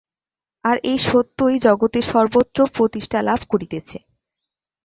আর এই সত্যই জগতের সর্বত্র প্রতিষ্ঠা লাভ করিতেছে।